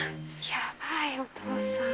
やばいお父さん。